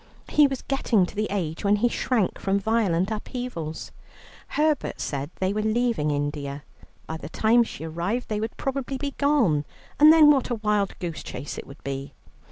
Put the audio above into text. He was getting to the age when he shrank from violent upheavals. Herbert said they were leaving India. By the time she arrived they would probably be gone, and then what a wild goose chase it would be.